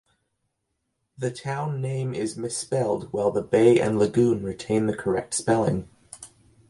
The town name is misspelled while the bay and lagoon retain the correct spelling.